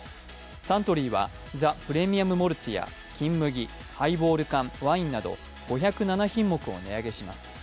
サントリーはザ・プレミアム・モルツや金麦、ハイボール缶、ワインなど５０７品目を値上げします。